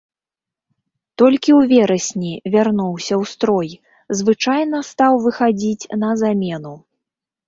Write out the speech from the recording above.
Толькі ў верасні вярнуўся ў строй, звычайна стаў выхадзіць на замену.